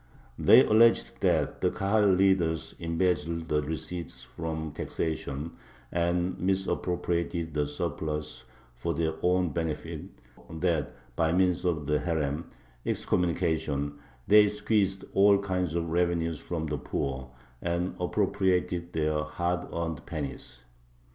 They alleged that the Kahal leaders embezzled the receipts from taxation, and misappropriated the surplus for their own benefit, that by means of the herem (excommunication) they squeezed all kinds of revenues from the poor and appropriated their hard earned pennies.